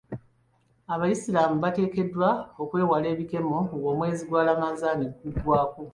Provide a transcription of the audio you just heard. Abayisiraamu bateekeddwa okwewala ebikemo ng'omwezi gwa Lamanzaani guggwako.